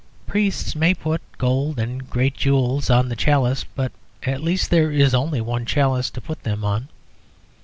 Priests may put gold and great jewels on the chalice; but at least there is only one chalice to put them on.